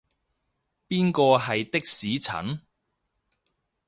邊個係的士陳？